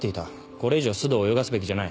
これ以上須藤を泳がすべきじゃない。